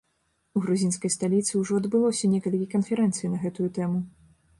У грузінскай сталіцы ўжо адбылося некалькі канферэнцый на гэтую тэму.